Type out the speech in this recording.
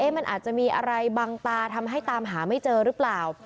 มันอาจจะมีอะไรบังตาทำให้ตามหาไม่เจอหรือเปล่า